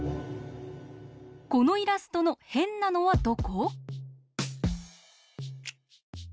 このイラストのへんなのはどこ？